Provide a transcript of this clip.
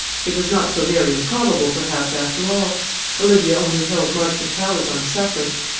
It was not so very improbable, perhaps, after all. Olivia only held Marchmont Towers on sufferance.